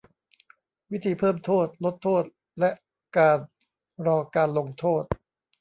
วิธีเพิ่มโทษ ลดโทษ และการรอการลงโทษ